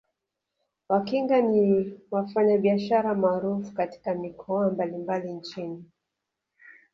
Wakinga ni wafanyabiashara maarufu katika mikoa mbalimbali nchini